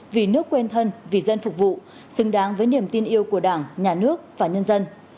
vì nước quên thân vì dân phục vụ xứng đáng với niềm tin yêu của đảng nhà nước và nhân dân